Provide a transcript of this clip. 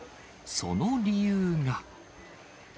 その理由が。